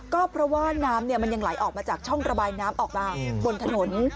ก็เพราะว่าน้ำมันยังไหลออกมาจากช่องระบายน้ำออกมาบนถนน